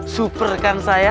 super kan saya